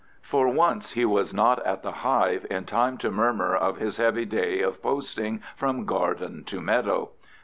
For once he was not at the hive in time to murmur of his heavy day of posting from garden to meadow!